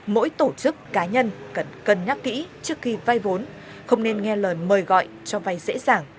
mỗi tổ chức cá nhân cần cân nhắc kỹ trước khi vay vốn không nên nghe lời mời gọi cho vay dễ dàng